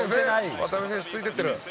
渡邊選手、ついてってる。